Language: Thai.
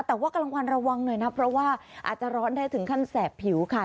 แต่ว่ากลางวันระวังหน่อยนะเพราะว่าอาจจะร้อนได้ถึงขั้นแสบผิวค่ะ